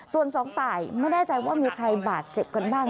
ส่วนสองฝ่ายไม่แน่ใจว่ามีใครบาดเจ็บกันบ้าง